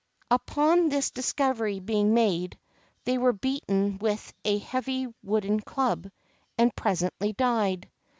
Upon this discovery being made, they were beaten with a heavy wooden club, and presently died.